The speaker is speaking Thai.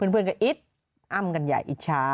เพื่อนกับอิตอ้ามกันใหญ่อิจชานะฮะ